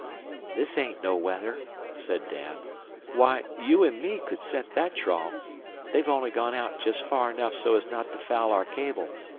"This ain't no weather," said Dan. "Why, you an' me could set thet trawl! They've only gone out jest far 'nough so's not to foul our cable.